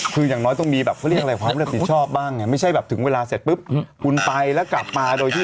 คืออย่างน้อยต้องมีแบบเขาเรียกอะไรความรับผิดชอบบ้างไงไม่ใช่แบบถึงเวลาเสร็จปุ๊บคุณไปแล้วกลับมาโดยที่